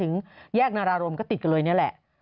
แยกนารารมก็ติดกันเลยนี่แหละ